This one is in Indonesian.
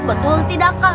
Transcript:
betul tidak kan